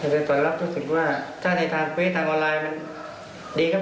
ช่วยกันนั้นก็แบ่งหน้าที่กัน